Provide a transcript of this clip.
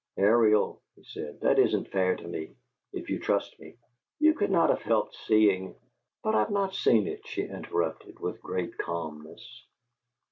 "Ariel," he said, "that isn't fair to me, if you trust me. You could not have helped seeing " "But I have not seen it," she interrupted, with great calmness.